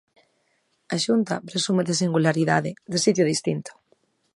A Xunta presume de singularidade, de sitio distinto.